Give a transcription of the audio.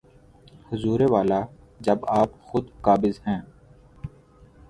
حضور والا، جب آپ خود قابض ہیں۔